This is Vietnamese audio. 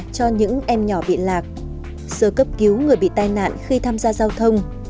cho những em nhỏ bị lạc sơ cấp cứu người bị tai nạn khi tham gia giao thông